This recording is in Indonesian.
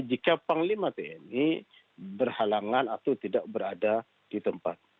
jika panglima tni berhalangan atau tidak berada di tempat